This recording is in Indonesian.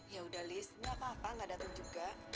ya sudah lihs tidak apa apa tidak datang juga